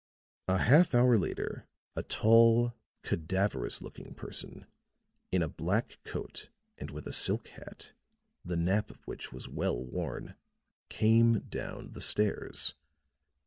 A half hour later a tall, cadaverous looking person, in a black coat and with a silk hat, the nap of which was well worn, came down the stairs.